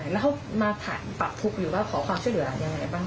แล้วเขามาปรับภูมิอยู่บ้างขอความเชื่อเหลือยังไงบ้าง